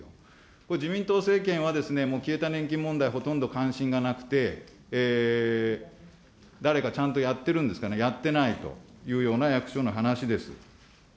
これ自民党政権はですね、もう消えた年金問題、ほとんど関心がなくて、誰かちゃんとやってるんですかね、やってないというような役所の話です。